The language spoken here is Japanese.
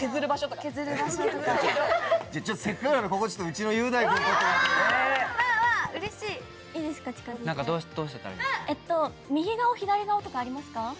・いいですか？